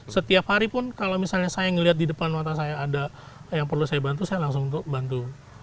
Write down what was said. setiap hari pun kalau misalnya saya melihat di depan mata saya ada yang perlu saya bantu saya langsung bantu